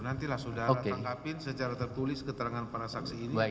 nantilah saudara tangkapin secara tertulis keterangan para saksi ini